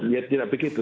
ya tidak begitu